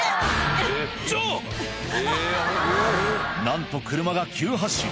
なんと車が急発進